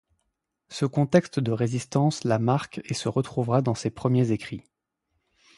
Ce contexte de résistance la marque et se retrouvera dans ses premiers écrits.